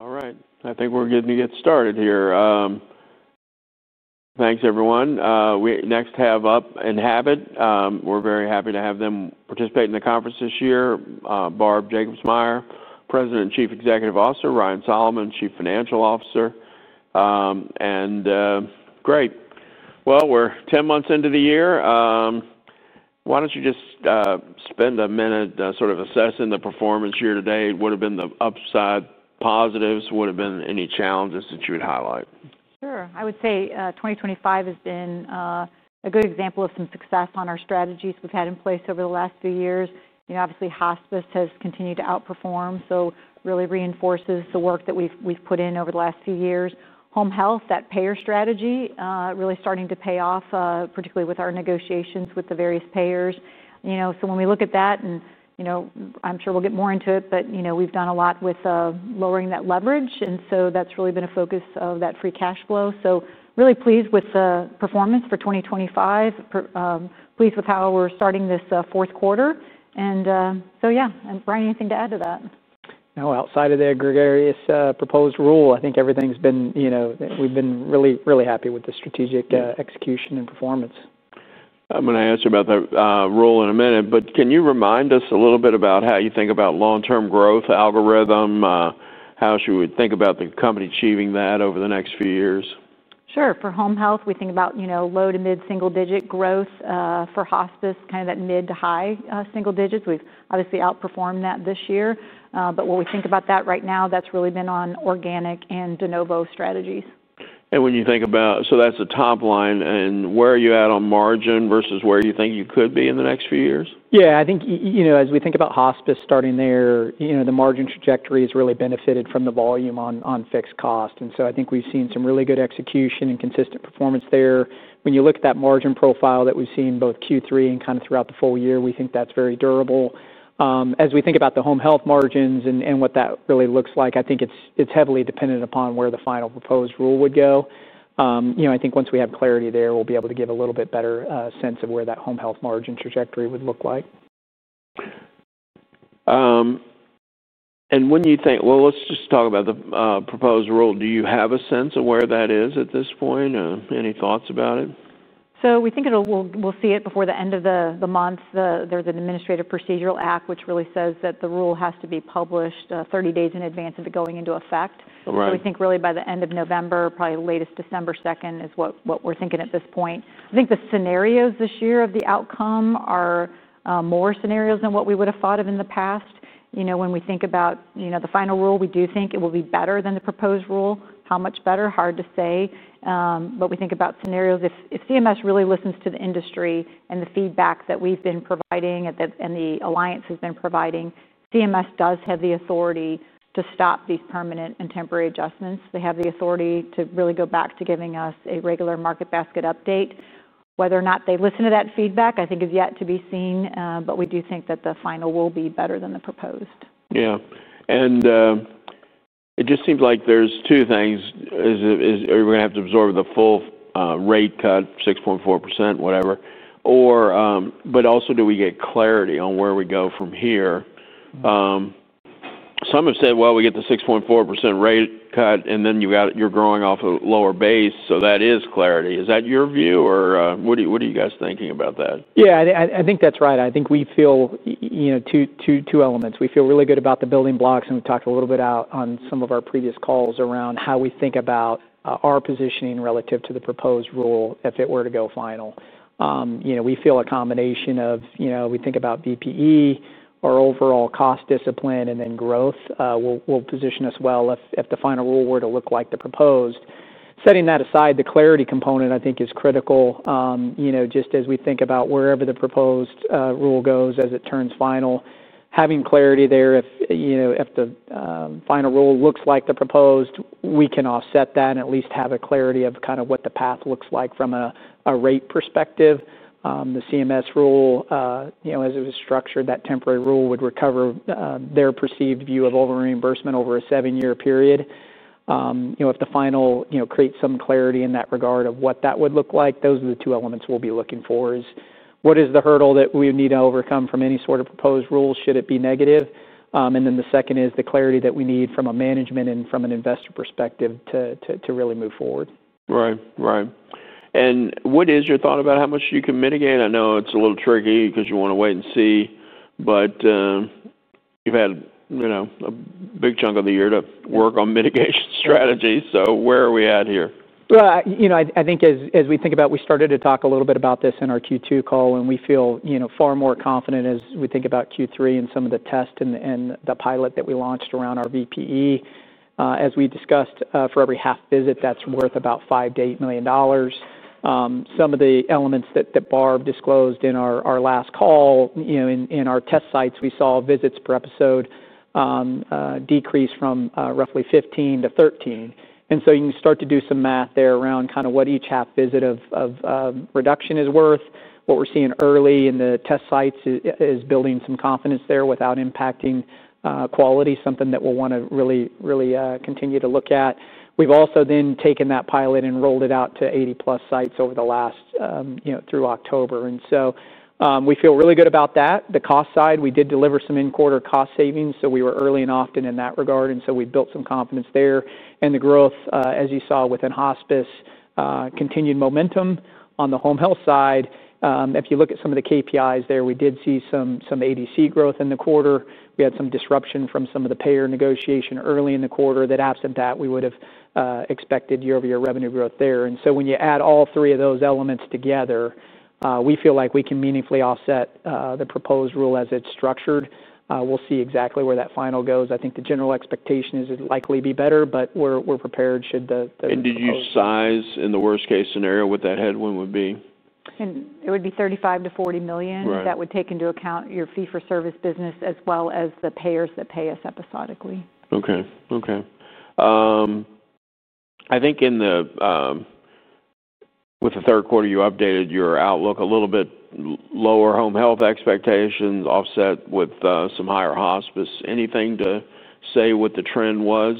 All right. I think we're good to get started here. Thanks, everyone. We next have up, Enhabit. We're very happy to have them participate in the conference this year. Bob Jacobsmeyer, President and Chief Executive Officer; Ryan Solomon, Chief Financial Officer. Great. We're 10 months into the year. Why don't you just spend a minute sort of assessing the performance here today? What have been the upside positives? What have been any challenges that you would highlight? Sure. I would say 2025 has been a good example of some success on our strategies we've had in place over the last few years. Obviously, hospice has continued to outperform, so it really reinforces the work that we've put in over the last few years. Home health, that payer strategy, really starting to pay off, particularly with our negotiations with the various payers. When we look at that, and I'm sure we'll get more into it, we've done a lot with lowering that leverage. That's really been a focus of that free cash flow. Really pleased with the performance for 2025, pleased with how we're starting this fourth quarter. Yeah. Brian, anything to add to that? No, outside of the gregarious proposed rule, I think everything's been—we've been really, really happy with the strategic execution and performance. I'm going to ask you about the rule in a minute, but can you remind us a little bit about how you think about long-term growth algorithm, how she would think about the company achieving that over the next few years? Sure. For home health, we think about low to mid-single-digit growth. For hospice, kind of that mid to high single digits. We have obviously outperformed that this year. What we think about that right now, that has really been on organic and de novo strategies. When you think about—so that's the top line. Where are you at on margin versus where you think you could be in the next few years? Yeah. I think as we think about hospice, starting there, the margin trajectory has really benefited from the volume on fixed cost. And so I think we've seen some really good execution and consistent performance there. When you look at that margin profile that we've seen both Q3 and kind of throughout the full year, we think that's very durable. As we think about the home health margins and what that really looks like, I think it's heavily dependent upon where the final proposed rule would go. I think once we have clarity there, we'll be able to give a little bit better sense of where that home health margin trajectory would look like. When you think—let's just talk about the proposed rule. Do you have a sense of where that is at this point? Any thoughts about it? We think we'll see it before the end of the month. There's an administrative procedural act which really says that the rule has to be published 30 days in advance of it going into effect. We think really by the end of November, probably latest December 2nd, is what we're thinking at this point. I think the scenarios this year of the outcome are more scenarios than what we would have thought of in the past. When we think about the final rule, we do think it will be better than the proposed rule. How much better? Hard to say. We think about scenarios. If CMS really listens to the industry and the feedback that we've been providing and the alliance has been providing, CMS does have the authority to stop these permanent and temporary adjustments. They have the authority to really go back to giving us a regular market basket update. Whether or not they listen to that feedback, I think, is yet to be seen. We do think that the final will be better than the proposed. Yeah. It just seems like there's two things. Are we going to have to absorb the full rate cut, 6.4%, whatever? Also, do we get clarity on where we go from here? Some have said, "We get the 6.4% rate cut, and then you're growing off a lower base." That is clarity. Is that your view, or what are you guys thinking about that? Yeah. I think that's right. I think we feel two elements. We feel really good about the building blocks, and we've talked a little bit on some of our previous calls around how we think about our positioning relative to the proposed rule if it were to go final. We feel a combination of—we think about BPE, our overall cost discipline, and then growth will position us well if the final rule were to look like the proposed. Setting that aside, the clarity component, I think, is critical. Just as we think about wherever the proposed rule goes as it turns final, having clarity there if the final rule looks like the proposed, we can offset that and at least have a clarity of kind of what the path looks like from a rate perspective. The CMS rule, as it was structured, that temporary rule would recover their perceived view of over-reimbursement over a seven-year period. If the final creates some clarity in that regard of what that would look like, those are the two elements we'll be looking for: what is the hurdle that we need to overcome from any sort of proposed rule should it be negative? The second is the clarity that we need from a management and from an investor perspective to really move forward. Right. Right. What is your thought about how much you can mitigate? I know it's a little tricky because you want to wait and see, but you've had a big chunk of the year to work on mitigation strategies. Where are we at here? I think as we think about—we started to talk a little bit about this in our Q2 call, and we feel far more confident as we think about Q3 and some of the tests and the pilot that we launched around our VPE. As we discussed, for every half visit, that's worth about $5 million to $8 million. Some of the elements that Bob disclosed in our last call, in our test sites, we saw visits per episode decrease from roughly 15 to 13. You can start to do some math there around kind of what each half visit of reduction is worth. What we're seeing early in the test sites is building some confidence there without impacting quality, something that we'll want to really continue to look at. We've also then taken that pilot and rolled it out to 80-plus sites over the last through October. We feel really good about that. The cost side, we did deliver some in-quarter cost savings, so we were early and often in that regard. We built some confidence there. The growth, as you saw within hospice, continued momentum on the home health side. If you look at some of the KPIs there, we did see some ADC growth in the quarter. We had some disruption from some of the payer negotiation early in the quarter that, absent that, we would have expected year-over-year revenue growth there. When you add all three of those elements together, we feel like we can meaningfully offset the proposed rule as it's structured. We'll see exactly where that final goes. I think the general expectation is it'll likely be better, but we're prepared should the. Did you size, in the worst-case scenario, what that headwind would be? It would be $35 million-$40 million. That would take into account your fee-for-service business as well as the payers that pay us episodically. Okay. Okay. I think with the third quarter, you updated your outlook a little bit lower home health expectations, offset with some higher hospice. Anything to say what the trend was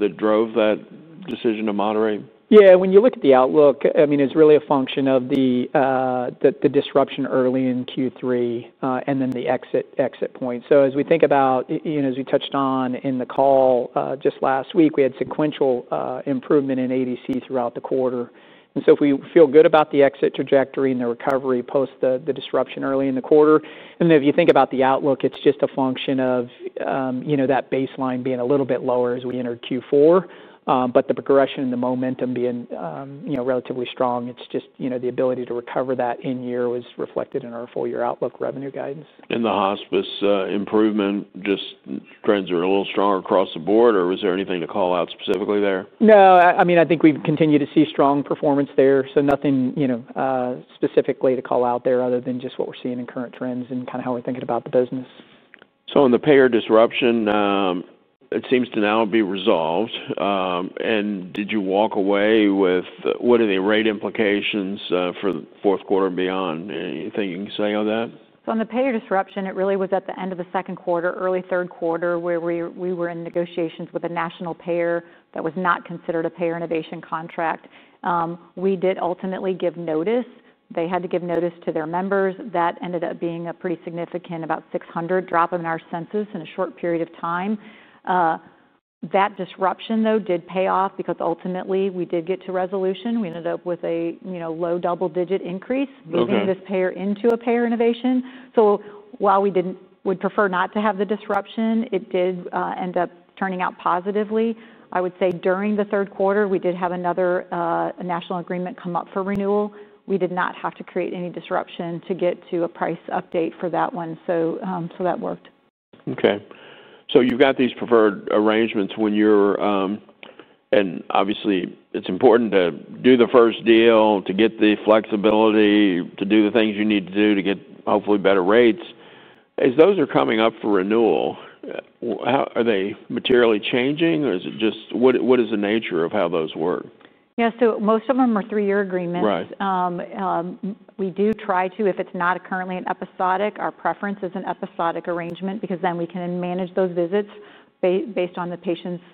that drove that decision to moderate? Yeah. When you look at the outlook, I mean, it's really a function of the disruption early in Q3 and then the exit point. As we think about, as we touched on in the call just last week, we had sequential improvement in ADC throughout the quarter. If we feel good about the exit trajectory and the recovery post the disruption early in the quarter, and then if you think about the outlook, it's just a function of that baseline being a little bit lower as we enter Q4. The progression and the momentum being relatively strong, it's just the ability to recover that in year was reflected in our full-year outlook revenue guidance. Are the hospice improvement trends just a little stronger across the board, or is there anything to call out specifically there? No. I mean, I think we've continued to see strong performance there. So nothing specifically to call out there other than just what we're seeing in current trends and kind of how we're thinking about the business. On the payer disruption, it seems to now be resolved. Did you walk away with what are the rate implications for the fourth quarter and beyond? Anything you can say on that? On the payer disruption, it really was at the end of the second quarter, early third quarter, where we were in negotiations with a national payer that was not considered a payer innovation contract. We did ultimately give notice. They had to give notice to their members. That ended up being a pretty significant, about 600 drop in our census in a short period of time. That disruption, though, did pay off because ultimately we did get to resolution. We ended up with a low double-digit increase, moving this payer into a payer innovation. While we would prefer not to have the disruption, it did end up turning out positively. I would say during the third quarter, we did have another national agreement come up for renewal. We did not have to create any disruption to get to a price update for that one. That worked. Okay. So you've got these preferred arrangements when you're—and obviously, it's important to do the first deal to get the flexibility to do the things you need to do to get hopefully better rates. As those are coming up for renewal, are they materially changing, or is it just what is the nature of how those work? Yeah. Most of them are three-year agreements. We do try to, if it's not currently an episodic, our preference is an episodic arrangement because then we can manage those visits based on the patient's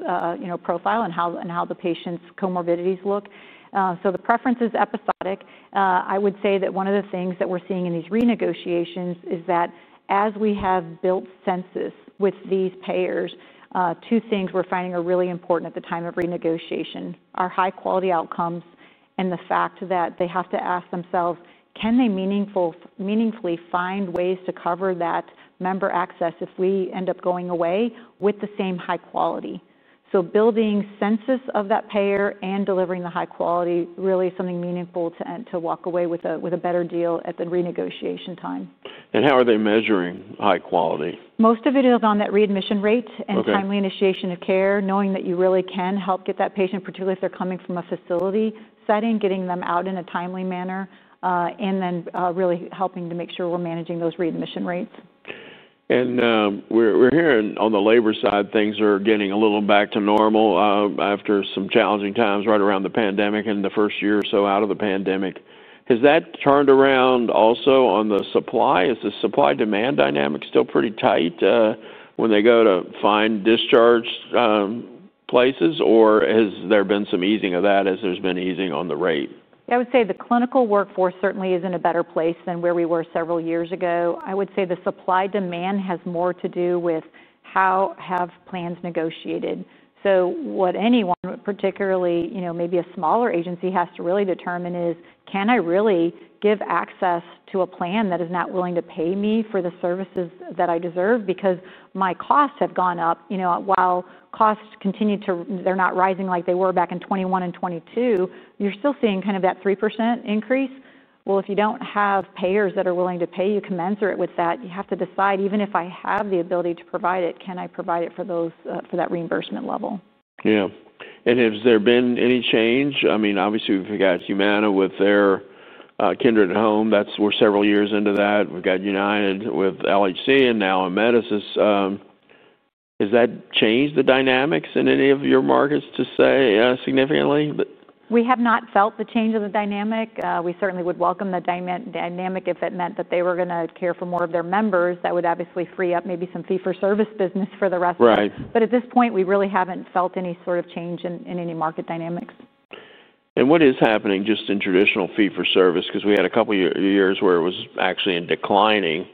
profile and how the patient's comorbidities look. The preference is episodic. I would say that one of the things that we're seeing in these renegotiations is that as we have built census with these payers, two things we're finding are really important at the time of renegotiation are high-quality outcomes and the fact that they have to ask themselves, "Can they meaningfully find ways to cover that member access if we end up going away with the same high quality?" Building census of that payer and delivering the high quality really is something meaningful to walk away with a better deal at the renegotiation time. How are they measuring high quality? Most of it is on that readmission rate and timely initiation of care, knowing that you really can help get that patient, particularly if they're coming from a facility setting, getting them out in a timely manner, and then really helping to make sure we're managing those readmission rates. We're hearing on the labor side, things are getting a little back to normal after some challenging times right around the pandemic and the first year or so out of the pandemic. Has that turned around also on the supply? Is the supply-demand dynamic still pretty tight when they go to find discharge places, or has there been some easing of that as there's been easing on the rate? Yeah. I would say the clinical workforce certainly is in a better place than where we were several years ago. I would say the supply-demand has more to do with how have plans negotiated. So what anyone, particularly maybe a smaller agency, has to really determine is, "Can I really give access to a plan that is not willing to pay me for the services that I deserve?" Because my costs have gone up. While costs continue to—they are not rising like they were back in 2021 and 2022, you are still seeing kind of that 3% increase. Well, if you do not have payers that are willing to pay you, commensurate with that, you have to decide, "Even if I have the ability to provide it, can I provide it for that reimbursement level? Yeah. Has there been any change? I mean, obviously, we've got Humana with their Kindred at Home. We're several years into that. We've got UnitedHealth with LHC and now Amedisys. Has that changed the dynamics in any of your markets to say significantly? We have not felt the change of the dynamic. We certainly would welcome the dynamic if it meant that they were going to care for more of their members. That would obviously free up maybe some fee-for-service business for the rest of them. At this point, we really haven't felt any sort of change in any market dynamics. What is happening just in traditional fee-for-service? Because we had a couple of years where it was actually declining.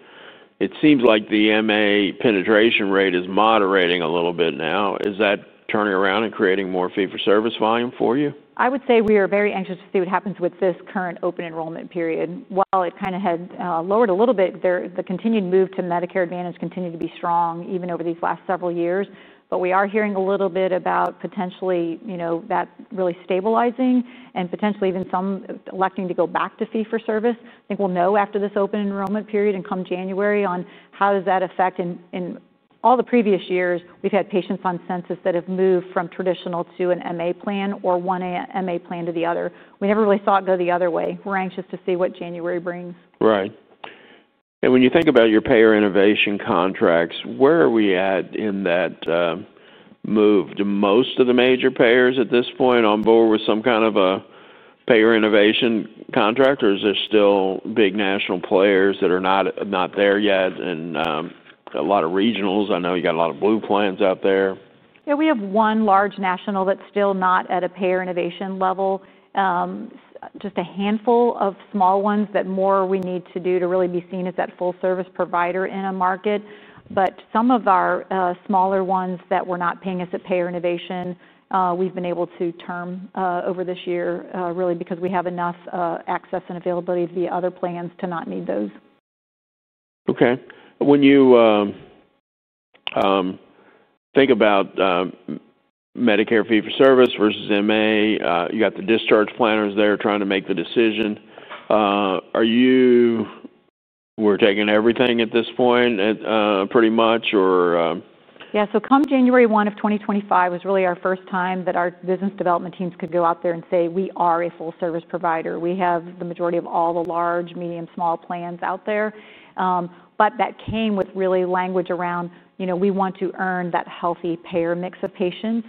It seems like the MA penetration rate is moderating a little bit now. Is that turning around and creating more fee-for-service volume for you? I would say we are very anxious to see what happens with this current open enrollment period. While it kind of had lowered a little bit, the continued move to Medicare Advantage continued to be strong even over these last several years. We are hearing a little bit about potentially that really stabilizing and potentially even some electing to go back to fee-for-service. I think we'll know after this open enrollment period and come January on how does that affect. In all the previous years, we've had patients on census that have moved from traditional to an MA plan or one MA plan to the other. We never really saw it go the other way. We're anxious to see what January brings. Right. When you think about your payer innovation contracts, where are we at in that move? Do most of the major payers at this point on board with some kind of a payer innovation contract, or is there still big national players that are not there yet and a lot of regionals? I know you got a lot of Blue plans out there. Yeah. We have one large national that's still not at a payer innovation level. Just a handful of small ones that more we need to do to really be seen as that full-service provider in a market. Some of our smaller ones that were not paying us at payer innovation, we've been able to term over this year really because we have enough access and availability to the other plans to not need those. Okay. When you think about Medicare fee-for-service versus MA, you got the discharge planners there trying to make the decision. Are you taking everything at this point pretty much, or? Yeah. So come January 1 of 2025 was really our first time that our business development teams could go out there and say, "We are a full-service provider. We have the majority of all the large, medium, small plans out there." That came with really language around, "We want to earn that healthy payer mix of patients,"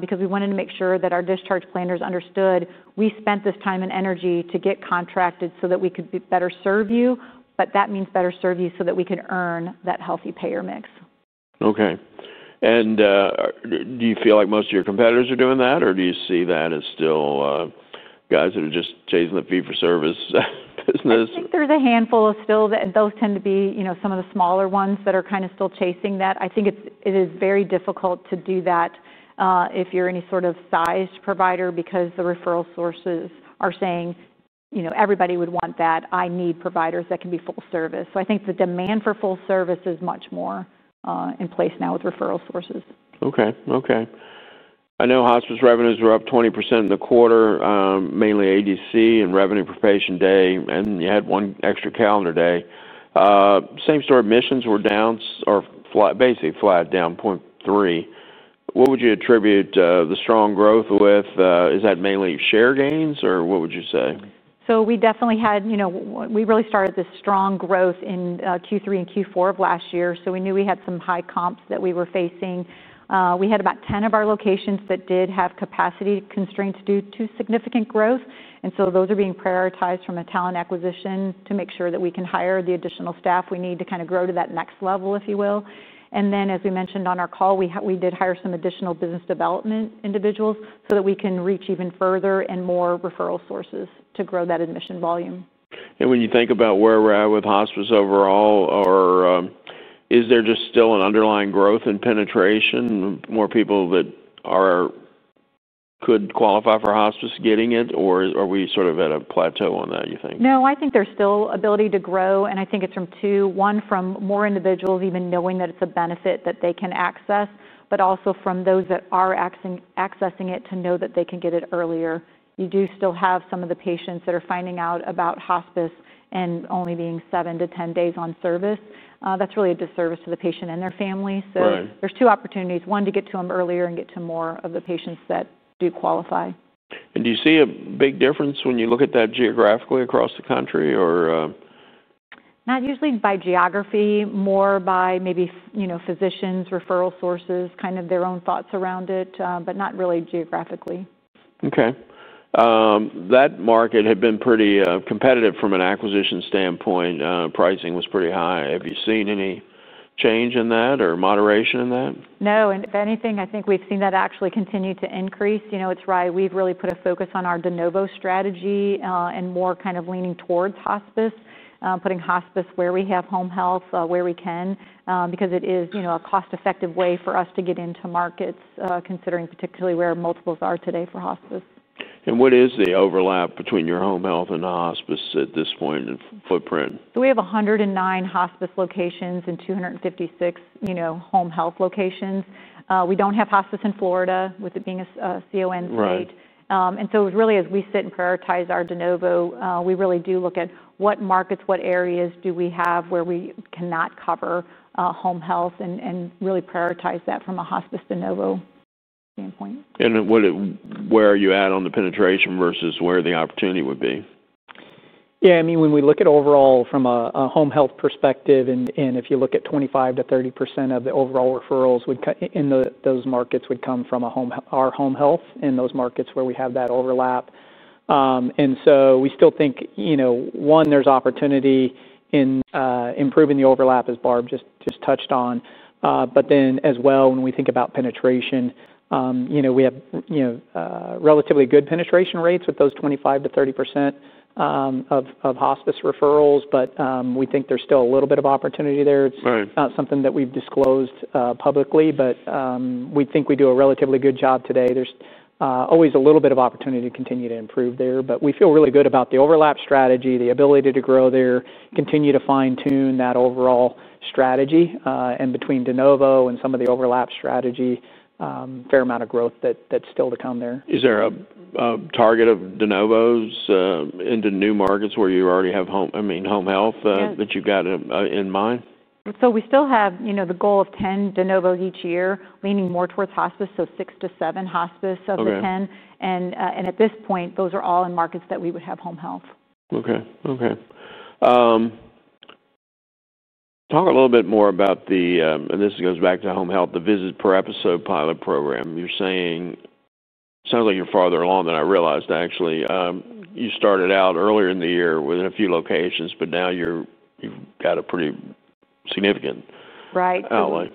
because we wanted to make sure that our discharge planners understood, "We spent this time and energy to get contracted so that we could better serve you." That means better serve you so that we can earn that healthy payer mix. Okay. Do you feel like most of your competitors are doing that, or do you see that as still guys that are just chasing the fee-for-service business? I think there's a handful of still. Those tend to be some of the smaller ones that are kind of still chasing that. I think it is very difficult to do that if you're any sort of sized provider because the referral sources are saying, "Everybody would want that. I need providers that can be full-service." I think the demand for full-service is much more in place now with referral sources. Okay. Okay. I know hospice revenues were up 20% in the quarter, mainly ADC and revenue per patient day, and you had one extra calendar day. Same story. Admissions were down or basically flat, down 0.3%. What would you attribute the strong growth with? Is that mainly share gains, or what would you say? We definitely had—we really started this strong growth in Q3 and Q4 of last year. We knew we had some high comps that we were facing. We had about 10 of our locations that did have capacity constraints due to significant growth. Those are being prioritized from a talent acquisition to make sure that we can hire the additional staff we need to kind of grow to that next level, if you will. As we mentioned on our call, we did hire some additional business development individuals so that we can reach even further and more referral sources to grow that admission volume. When you think about where we're at with hospice overall, or is there just still an underlying growth and penetration? More people that could qualify for hospice getting it, or are we sort of at a plateau on that, you think? No. I think there's still ability to grow. I think it's from two: one, from more individuals even knowing that it's a benefit that they can access, but also from those that are accessing it to know that they can get it earlier. You do still have some of the patients that are finding out about hospice and only being 7-10 days on service. That's really a disservice to the patient and their family. There's two opportunities: one, to get to them earlier and get to more of the patients that do qualify. Do you see a big difference when you look at that geographically across the country, or? Not usually by geography, more by maybe physicians, referral sources, kind of their own thoughts around it, but not really geographically. Okay. That market had been pretty competitive from an acquisition standpoint. Pricing was pretty high. Have you seen any change in that or moderation in that? No. If anything, I think we've seen that actually continue to increase. It's why we've really put a focus on our de novo strategy and more kind of leaning towards hospice, putting hospice where we have home health, where we can, because it is a cost-effective way for us to get into markets, considering particularly where multiples are today for hospice. What is the overlap between your home health and hospice at this point in footprint? We have 109 hospice locations and 256 home health locations. We do not have hospice in Florida with it being a CON state. As we sit and prioritize our de novo, we really do look at what markets, what areas do we have where we cannot cover home health and really prioritize that from a hospice de novo standpoint. Where are you at on the penetration versus where the opportunity would be? Yeah. I mean, when we look at overall from a home health perspective. If you look at 25%-30% of the overall referrals in those markets would come from our home health in those markets where we have that overlap. We still think, one, there's opportunity in improving the overlap, as Barb just touched on. As well, when we think about penetration, we have relatively good penetration rates with those 25%-30% of hospice referrals. We think there's still a little bit of opportunity there. It's not something that we've disclosed publicly, but we think we do a relatively good job today. There's always a little bit of opportunity to continue to improve there. We feel really good about the overlap strategy, the ability to grow there, continue to fine-tune that overall strategy. Between de novo and some of the overlap strategy, a fair amount of growth that's still to come there. Is there a target of de novos into new markets where you already have, I mean, home health that you've got in mind? We still have the goal of 10 de novos each year, leaning more towards hospice, so 6-7 hospice of the 10. At this point, those are all in markets that we would have home health. Okay. Okay. Talk a little bit more about the—and this goes back to home health—the visit-per-episode pilot program. You're saying it sounds like you're farther along than I realized, actually. You started out earlier in the year with a few locations, but now you've got a pretty significant outlay. Right.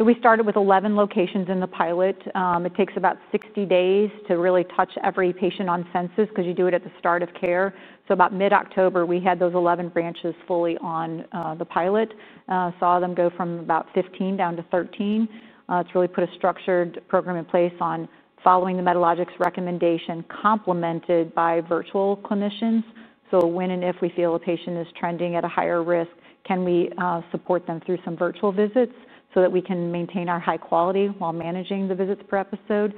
We started with 11 locations in the pilot. It takes about 60 days to really touch every patient on census because you do it at the start of care. About mid-October, we had those 11 branches fully on the pilot. Saw them go from about 15 down to 13. It has really put a structured program in place on following the metallurgics recommendation, complemented by virtual clinicians. When and if we feel a patient is trending at a higher risk, can we support them through some virtual visits so that we can maintain our high quality while managing the visits per episode?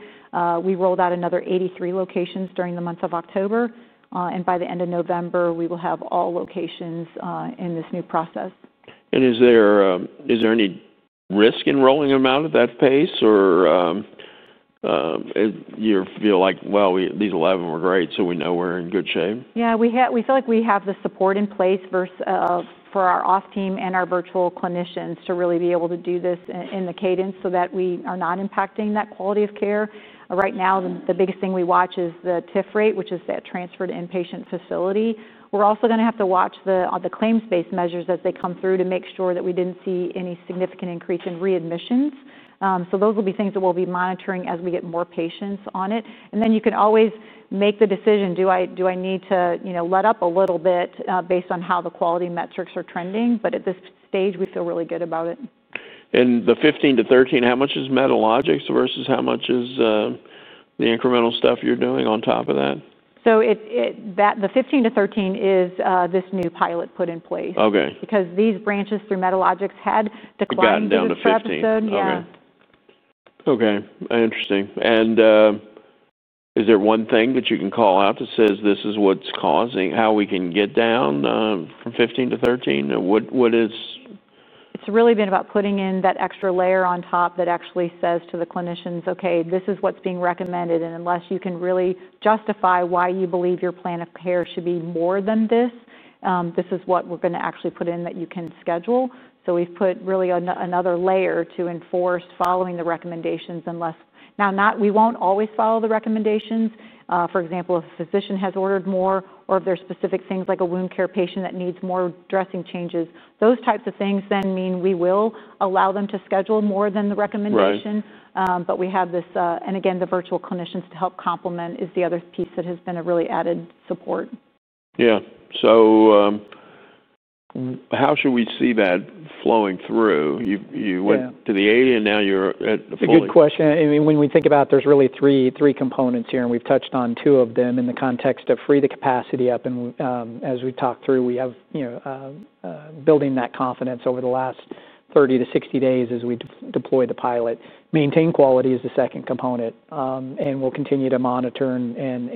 We rolled out another 83 locations during the month of October. By the end of November, we will have all locations in this new process. Is there any risk in rolling them out at that pace, or you feel like, "Well, these 11 were great, so we know we're in good shape"? Yeah. We feel like we have the support in place for our off team and our virtual clinicians to really be able to do this in the cadence so that we are not impacting that quality of care. Right now, the biggest thing we watch is the TIF rate, which is that transfer to inpatient facility. We're also going to have to watch the claims-based measures as they come through to make sure that we didn't see any significant increase in readmissions. Those will be things that we'll be monitoring as we get more patients on it. You can always make the decision, "Do I need to let up a little bit based on how the quality metrics are trending?" At this stage, we feel really good about it. The 15 to 13, how much is metallurgics versus how much is the incremental stuff you're doing on top of that? The 15-13 is this new pilot put in place because these branches through metrics had declined in the past episode. You've gotten down to 15? Yeah. Okay. Okay. Interesting. Is there one thing that you can call out that says, "This is what's causing how we can get down from 15-13"? What is? It's really been about putting in that extra layer on top that actually says to the clinicians, "Okay, this is what's being recommended. And unless you can really justify why you believe your plan of care should be more than this, this is what we're going to actually put in that you can schedule." We have put really another layer to enforce following the recommendations unless—now we will not always follow the recommendations. For example, if a physician has ordered more or if there are specific things like a wound care patient that needs more dressing changes, those types of things then mean we will allow them to schedule more than the recommendation. We have this—and again, the virtual clinicians to help complement is the other piece that has been a really added support. Yeah. So how should we see that flowing through? You went to the 80, and now you're at the 40. It's a good question. I mean, when we think about it, there's really three components here, and we've touched on two of them in the context of freeing the capacity up. As we talk through, we have been building that confidence over the last 30-60 days as we deploy the pilot. Maintain quality is the second component. We'll continue to monitor and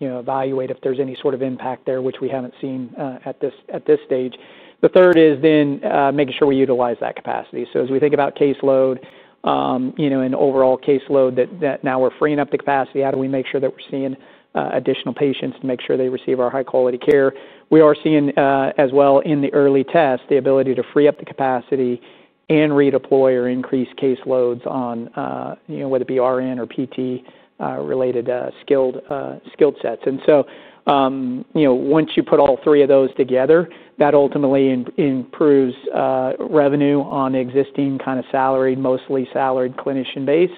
evaluate if there's any sort of impact there, which we haven't seen at this stage. The third is then making sure we utilize that capacity. As we think about caseload and overall caseload, now that we're freeing up the capacity, how do we make sure that we're seeing additional patients to make sure they receive our high-quality care? We are seeing as well in the early tests the ability to free up the capacity and redeploy or increase caseloads on whether it be RN or PT-related skilled sets. Once you put all three of those together, that ultimately improves revenue on existing kind of salaried, mostly salaried clinician base,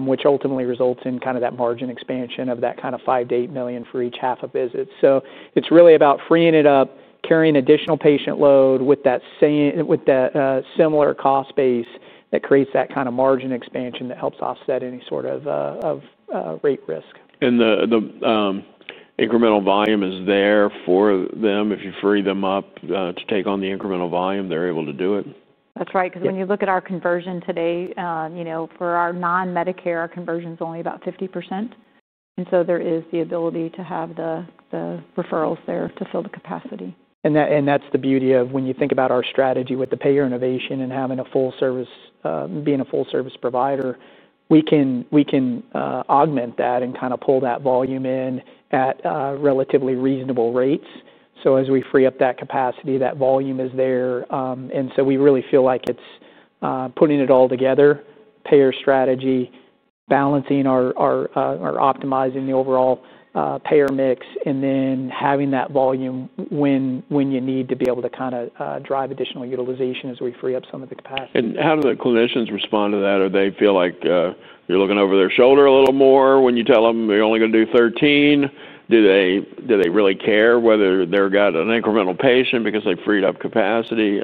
which ultimately results in kind of that margin expansion of that $5 million-$8 million for each half a visit. It is really about freeing it up, carrying additional patient load with that similar cost base that creates that kind of margin expansion that helps offset any sort of rate risk. The incremental volume is there for them? If you free them up to take on the incremental volume, they're able to do it? That's right. Because when you look at our conversion today, for our non-Medicare, our conversion is only about 50%. And so there is the ability to have the referrals there to fill the capacity. That is the beauty of when you think about our strategy with the payer innovation and being a full-service provider, we can augment that and kind of pull that volume in at relatively reasonable rates. As we free up that capacity, that volume is there. We really feel like it is putting it all together, payer strategy, balancing or optimizing the overall payer mix, and then having that volume when you need to be able to kind of drive additional utilization as we free up some of the capacity. How do the clinicians respond to that? Do they feel like you're looking over their shoulder a little more when you tell them they're only going to do 13? Do they really care whether they've got an incremental patient because they've freed up capacity?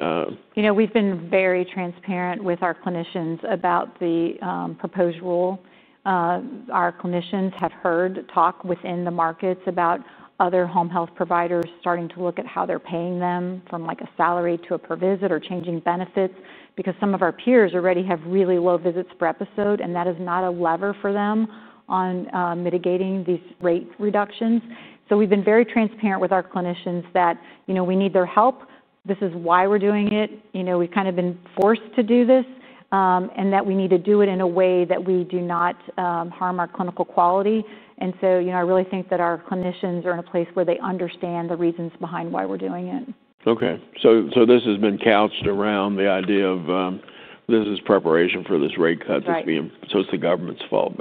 We've been very transparent with our clinicians about the proposed rule. Our clinicians have heard talk within the markets about other home health providers starting to look at how they're paying them from a salary to a per visit or changing benefits because some of our peers already have really low visits per episode, and that is not a lever for them on mitigating these rate reductions. We've been very transparent with our clinicians that we need their help. This is why we're doing it. We've kind of been forced to do this and that we need to do it in a way that we do not harm our clinical quality. I really think that our clinicians are in a place where they understand the reasons behind why we're doing it. Okay. This has been couched around the idea of this is preparation for this rate cut that's being—so it's the government's fault.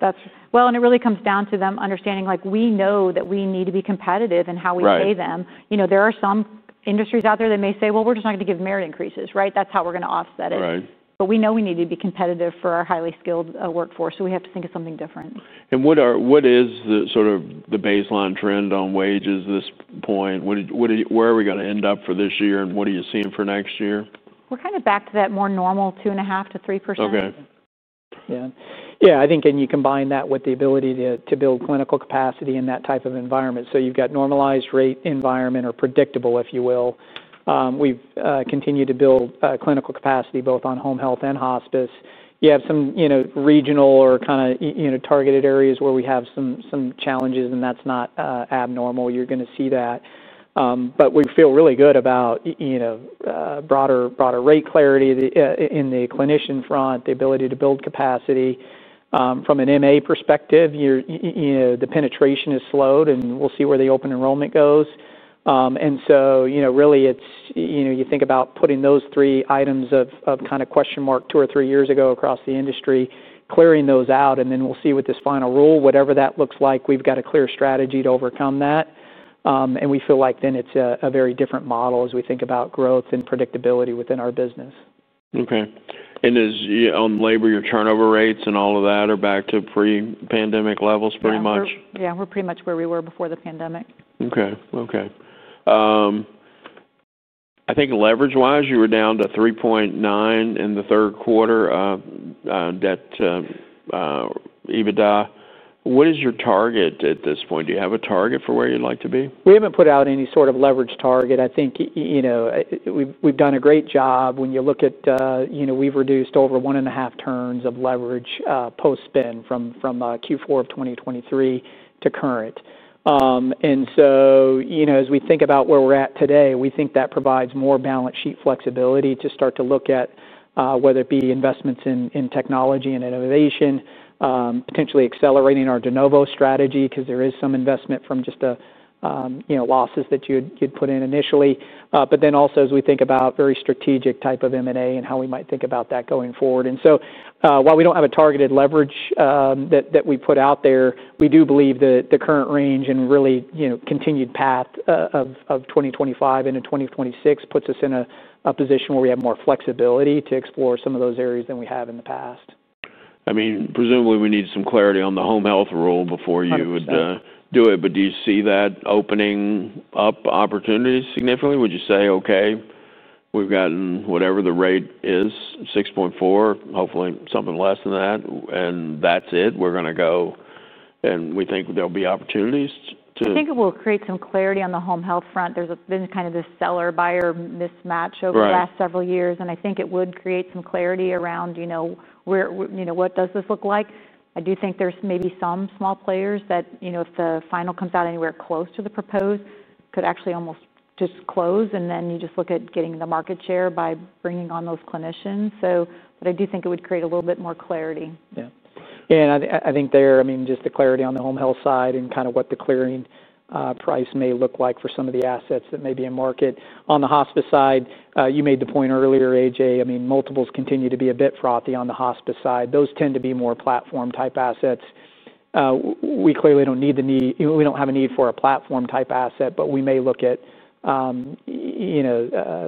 That's right. It really comes down to them understanding we know that we need to be competitive in how we pay them. There are some industries out there that may say, "Well, we're just not going to give merit increases," right? That's how we're going to offset it. We know we need to be competitive for our highly skilled workforce, so we have to think of something different. What is sort of the baseline trend on wages at this point? Where are we going to end up for this year, and what are you seeing for next year? We're kind of back to that more normal 2.5-3%. Yeah. Yeah. I think, and you combine that with the ability to build clinical capacity in that type of environment. So you've got normalized rate environment or predictable, if you will. We've continued to build clinical capacity both on home health and hospice. You have some regional or kind of targeted areas where we have some challenges, and that's not abnormal. You're going to see that. But we feel really good about broader rate clarity in the clinician front, the ability to build capacity. From an MA perspective, the penetration has slowed, and we'll see where the open enrollment goes. And so really, you think about putting those three items of kind of question mark two or three years ago across the industry, clearing those out, and then we'll see with this final rule, whatever that looks like, we've got a clear strategy to overcome that. We feel like then it's a very different model as we think about growth and predictability within our business. Okay. On labor, your turnover rates and all of that are back to pre-pandemic levels pretty much? Yeah. We're pretty much where we were before the pandemic. Okay. Okay. I think leverage-wise, you were down to 3.9 in the third quarter debt EBITDA. What is your target at this point? Do you have a target for where you'd like to be? We have not put out any sort of leverage target. I think we have done a great job. When you look at we have reduced over one and a half turns of leverage post-spin from Q4 of 2023 to current. As we think about where we are at today, we think that provides more balance sheet flexibility to start to look at whether it be investments in technology and innovation, potentially accelerating our de novo strategy because there is some investment from just the losses that you would put in initially. As we think about very strategic type of M&A and how we might think about that going forward. While we do not have a targeted leverage that we put out there, we do believe that the current range and really continued path of 2025 into 2026 puts us in a position where we have more flexibility to explore some of those areas than we have in the past. I mean, presumably, we need some clarity on the home health rule before you would do it. Do you see that opening up opportunities significantly? Would you say, "Okay, we've gotten whatever the rate is, 6.4%, hopefully something less than that, and that's it? We're going to go and we think there'll be opportunities to"? I think it will create some clarity on the home health front. There's been kind of this seller-buyer mismatch over the last several years, and I think it would create some clarity around what does this look like. I do think there's maybe some small players that if the final comes out anywhere close to the proposed, could actually almost just close, and then you just look at getting the market share by bringing on those clinicians. I do think it would create a little bit more clarity. Yeah. I think there, I mean, just the clarity on the home health side and kind of what the clearing price may look like for some of the assets that may be in market. On the hospice side, you made the point earlier, AJ, I mean, multiples continue to be a bit frothy on the hospice side. Those tend to be more platform-type assets. We clearly do not have a need for a platform-type asset, but we may look at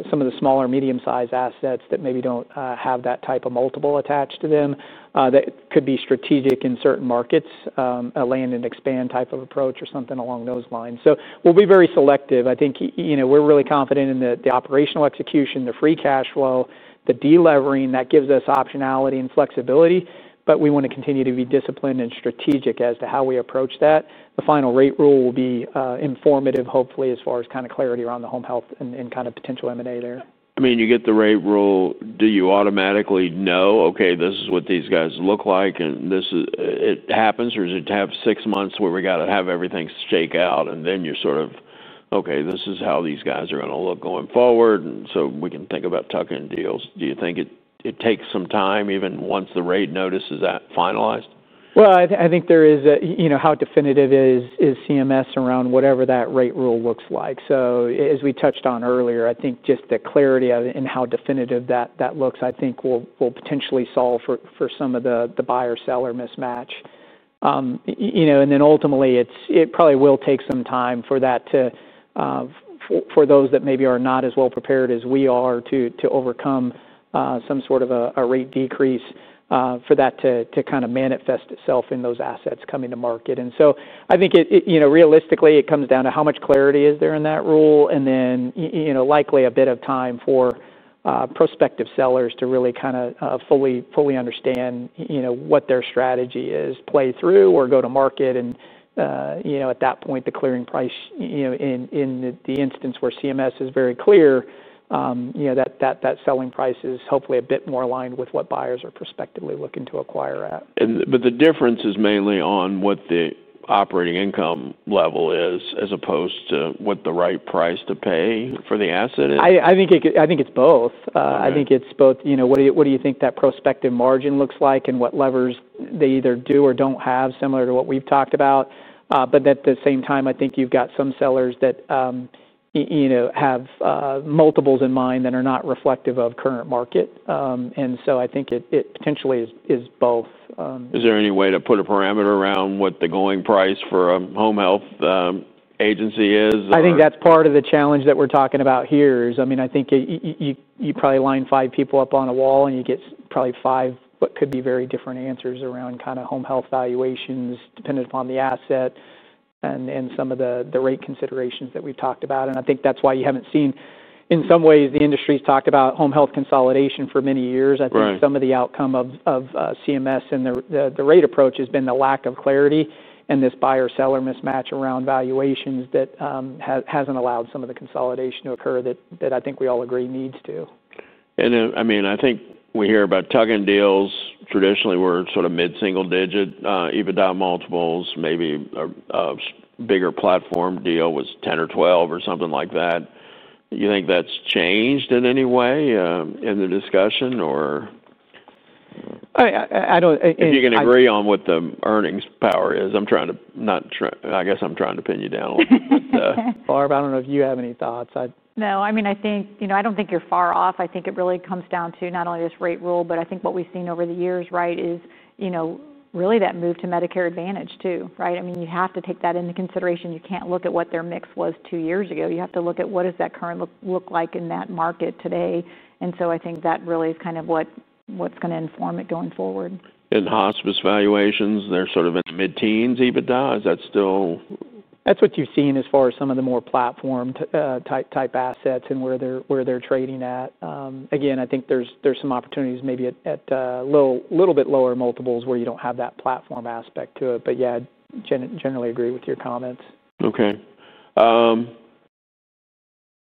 some of the smaller, medium-sized assets that maybe do not have that type of multiple attached to them that could be strategic in certain markets, a land and expand type of approach or something along those lines. We will be very selective. I think we're really confident in the operational execution, the free cash flow, the delevering that gives us optionality and flexibility, but we want to continue to be disciplined and strategic as to how we approach that. The final rate rule will be informative, hopefully, as far as kind of clarity around the home health and kind of potential M&A there. I mean, you get the rate rule. Do you automatically know, "Okay, this is what these guys look like, and it happens," or does it have six months where we got to have everything shake out, and then you're sort of, "Okay, this is how these guys are going to look going forward," and we can think about tucking deals? Do you think it takes some time even once the rate notice is finalized? I think there is how definitive is CMS around whatever that rate rule looks like. As we touched on earlier, I think just the clarity in how definitive that looks, I think will potentially solve for some of the buyer-seller mismatch. Ultimately, it probably will take some time for that to, for those that maybe are not as well prepared as we are, to overcome some sort of a rate decrease for that to kind of manifest itself in those assets coming to market. I think realistically, it comes down to how much clarity is there in that rule, and then likely a bit of time for prospective sellers to really kind of fully understand what their strategy is, play through or go to market. At that point, the clearing price in the instance where CMS is very clear, that selling price is hopefully a bit more aligned with what buyers are prospectively looking to acquire at. The difference is mainly on what the operating income level is as opposed to what the right price to pay for the asset is? I think it's both. I think it's both. What do you think that prospective margin looks like and what levers they either do or don't have similar to what we've talked about? At the same time, I think you've got some sellers that have multiples in mind that are not reflective of current market. I think it potentially is both. Is there any way to put a parameter around what the going price for a home health agency is? I think that's part of the challenge that we're talking about here. I mean, I think you probably line five people up on a wall, and you get probably five what could be very different answers around kind of home health valuations dependent upon the asset and some of the rate considerations that we've talked about. I think that's why you haven't seen in some ways, the industry's talked about home health consolidation for many years. I think some of the outcome of CMS and the rate approach has been the lack of clarity and this buyer-seller mismatch around valuations that hasn't allowed some of the consolidation to occur that I think we all agree needs to. I mean, I think we hear about tugging deals. Traditionally, we're sort of mid-single digit EBITDA multiples, maybe a bigger platform deal was 10 or 12 or something like that. You think that's changed in any way in the discussion, or? I don't. If you can agree on what the earnings power is, I'm trying to, not trying to, I guess I'm trying to pin you down a little bit. Barb, I don't know if you have any thoughts. No. I mean, I think I do not think you are far off. I think it really comes down to not only this rate rule, but I think what we have seen over the years, right, is really that move to Medicare Advantage too, right? I mean, you have to take that into consideration. You cannot look at what their mix was two years ago. You have to look at what does that current look like in that market today. I think that really is kind of what is going to inform it going forward. Hospice valuations, they're sort of in the mid-teens EBITDA. Is that still? That's what you've seen as far as some of the more platform-type assets and where they're trading at. Again, I think there's some opportunities maybe at a little bit lower multiples where you don't have that platform aspect to it. Yeah, I generally agree with your comments. Okay.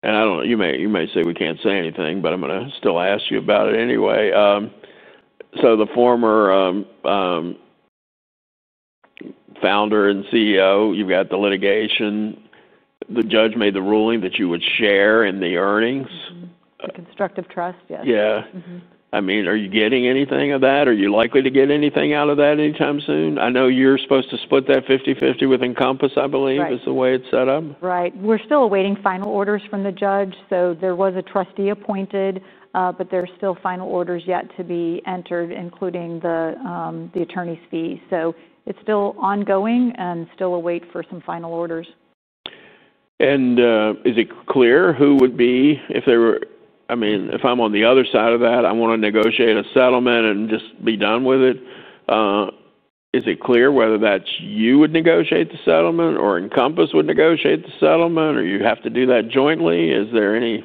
You may say we can't say anything, but I'm going to still ask you about it anyway. The former founder and CEO, you've got the litigation. The judge made the ruling that you would share in the earnings. Constructive trust, yes. Yeah. I mean, are you getting anything of that? Are you likely to get anything out of that anytime soon? I know you're supposed to split that 50/50 with Encompass, I believe, is the way it's set up. Right. We're still awaiting final orders from the judge. So there was a trustee appointed, but there are still final orders yet to be entered, including the attorney's fee. So it's still ongoing and still await for some final orders. Is it clear who would be, if they were? I mean, if I'm on the other side of that, I want to negotiate a settlement and just be done with it. Is it clear whether that's you would negotiate the settlement or Encompass would negotiate the settlement, or you have to do that jointly? Is there any?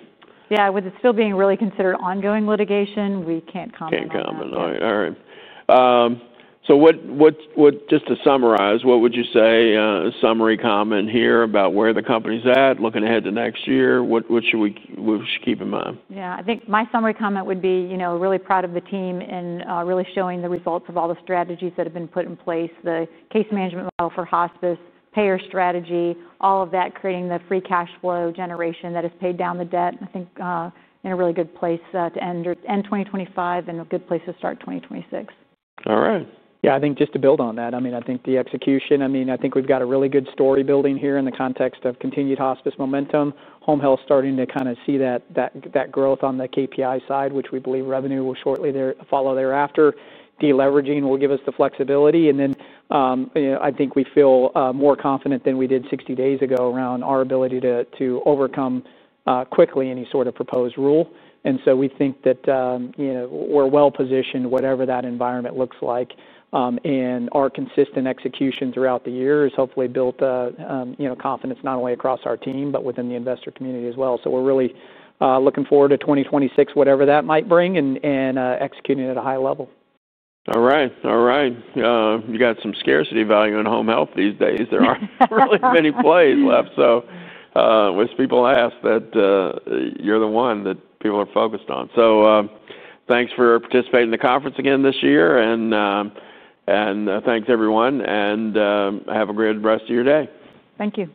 Yeah. With it still being really considered ongoing litigation, we can't comment on that. Can't comment. All right. Just to summarize, what would you say a summary comment here about where the company's at looking ahead to next year? What should we keep in mind? Yeah. I think my summary comment would be really proud of the team and really showing the results of all the strategies that have been put in place, the case management model for hospice, payer strategy, all of that, creating the free cash flow generation that has paid down the debt. I think in a really good place to end 2025 and a good place to start 2026. All right. Yeah. I think just to build on that, I mean, I think the execution, I mean, I think we've got a really good story building here in the context of continued hospice momentum. Home health starting to kind of see that growth on the KPI side, which we believe revenue will shortly follow thereafter. Deleveraging will give us the flexibility. I think we feel more confident than we did 60 days ago around our ability to overcome quickly any sort of proposed rule. We think that we're well positioned, whatever that environment looks like, and our consistent execution throughout the year has hopefully built confidence not only across our team but within the investor community as well. We're really looking forward to 2026, whatever that might bring, and executing at a high level. All right. All right. You got some scarcity value in home health these days. There aren't really many plays left. Most people ask that you're the one that people are focused on. Thanks for participating in the conference again this year, and thanks everyone, and have a great rest of your day. Thank you.